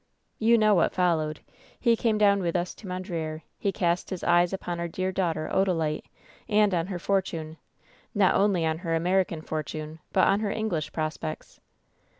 "You know what followed. He came down with us to Mondreer. He cast his eyes upon our dear daughter, Odalite, and on her fortune — not only on her American fortune, but on her English prospects.